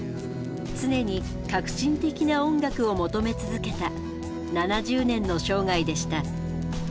常に革新的な音楽を求め続けた７０年の生涯でした。